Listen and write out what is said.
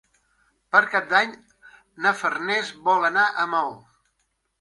Per Cap d'Any na Farners vol anar a Maó.